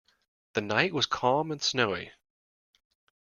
The night was calm and snowy.